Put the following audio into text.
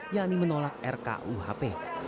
yaitu menolak rkuhp